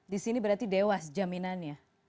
di sini berarti dewas jaminannya